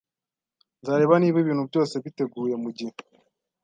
Nzareba niba ibintu byose byiteguye mugihe.